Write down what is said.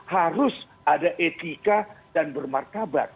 harus ada etika dan bermartabat